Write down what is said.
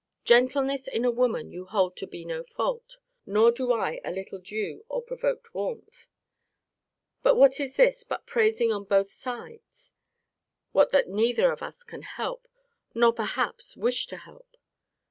Gentleness in a woman you hold to be no fault: nor do I a little due or provoked warmth But what is this, but praising on both sides what what neither of us can help, nor perhaps wish to help?